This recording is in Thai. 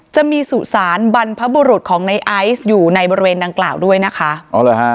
สุสานบรรพบุรุษของในไอซ์อยู่ในบริเวณดังกล่าวด้วยนะคะอ๋อเหรอฮะ